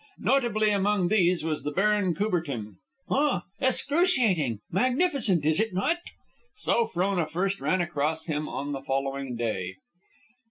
Notably among these was the Baron Courbertin. "Ah! Excruciating! Magnificent! Is it not?" So Frona first ran across him on the following day.